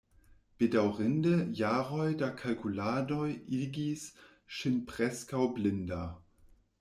Bedaŭrinde, jaroj da kalkuladoj igis ŝin preskaŭ blinda.